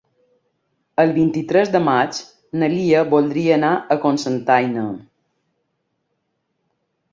El vint-i-tres de maig na Lia voldria anar a Cocentaina.